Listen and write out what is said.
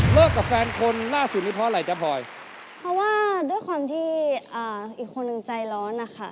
เพราะว่าด้วยความที่อีกคนนึงใจร้อนนะคะ